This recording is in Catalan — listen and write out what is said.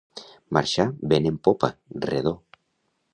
Marxar vent en popa, redó.